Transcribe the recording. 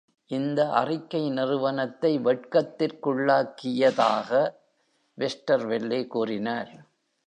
இந்த அறிக்கை நிறுவனத்தை "வெட்கத்திற்குள்ளாக்கியதாக" வெஸ்டர்வெல்லே கூறினார்.